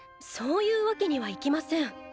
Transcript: そういうわけにはいきません。